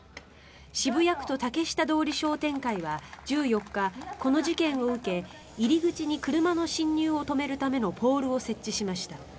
渋谷区と竹下通り商店会は１４日この事件を受け入り口に車の進入を止めるためのポールを設置しました。